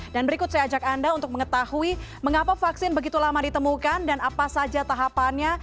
dan berikut saya ajak anda untuk mengetahui mengapa vaksin begitu lama ditemukan dan apa saja tahapannya